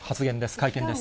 会見です。